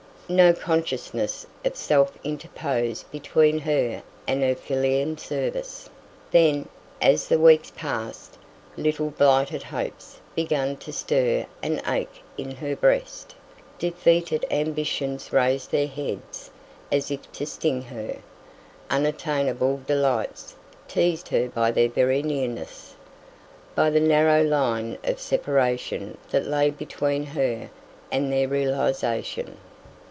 No consciousness of self interposed between her and her filial service; then, as the weeks passed, little blighted hopes began to stir and ache in her breast; defeated ambitions raised their heads as if to sting her; unattainable delights teased her by their very nearness; by the narrow line of separation that lay between her and their realization.